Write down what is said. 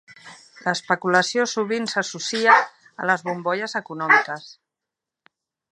L'especulació sovint s'associa a les bombolles econòmiques.